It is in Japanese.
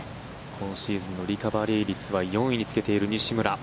今シーズンのリカバリー率は４位につけている西村。